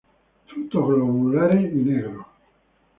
Frutos globulares y negros.